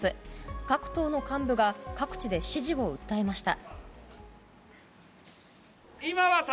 各党の幹部が各地で支持を訴えました。